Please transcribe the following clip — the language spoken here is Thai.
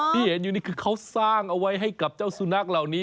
ที่เห็นอยู่นี่คือเขาสร้างเอาไว้ให้กับเจ้าสุนัขเหล่านี้